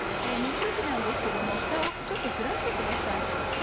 煮る時なんですけどもフタをちょっとずらしてください。